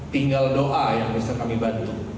tinggal doa yang bisa kami bantu